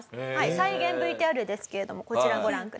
再現ＶＴＲですけれどもこちらご覧ください。